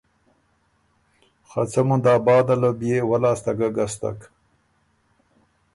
خه څه مُندا بعده له بيې وۀ لاسته ګۀ ګستک